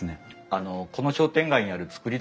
あのこの商店街にある造り